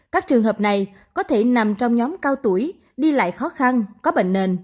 các trường hợp này có thể nằm trong nhóm cao tuổi đi lại khó khăn có bệnh nền